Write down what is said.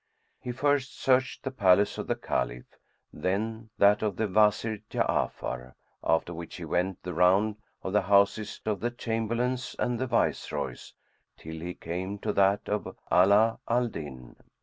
He first searched the palace of the Caliph, then that of the Wazir Ja'afar; after which he went the round of the houses of the Chamberlains and the Viceroys till he came to that of Ala al Din.